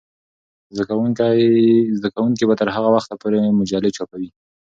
زده کوونکې به تر هغه وخته پورې مجلې چاپوي.